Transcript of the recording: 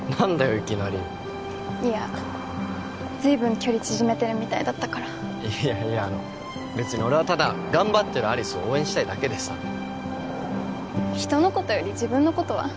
いきなりいやずいぶん距離縮めてるみたいだったからいやいやあの別に俺はただ頑張ってる有栖を応援したいだけでさ人のことより自分のことは？